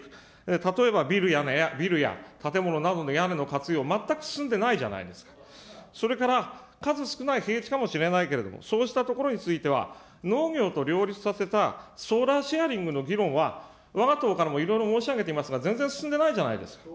例えばビルや建物などの屋根の活用、全く進んでないじゃないですか、それから数少ないかもしれないけれども、そうしたところについては、農業と両立させたソーラーシェアリングの議論はわが党からもいろいろ申し上げておりますが、全然進んでいないじゃないですか。